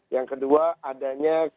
yang kedua adanya ketidakpun